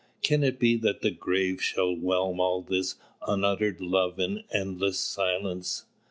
Can it be that the grave shall whelm all this unuttered love in endless silence?